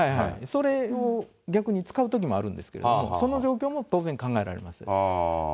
それを逆に使うこともあるんですけど、その状況も当然考えられま